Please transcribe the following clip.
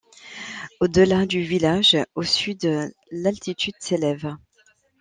Au-delà du village, au sud, l'altitude s'élève.